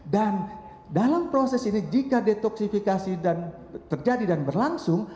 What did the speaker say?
dan dalam proses ini jika detoksifikasi terjadi dan berlangsung